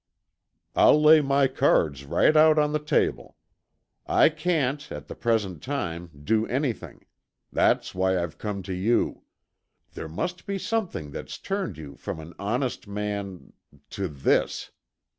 "I'll lay my cards right out on the table. I can't, at the present time, do anything. That's why I've come to you. There must be something that's turned you from an honest man ... to this.